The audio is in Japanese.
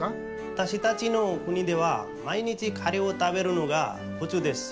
わたしたちの国では毎日カレーを食べるのがふつうです。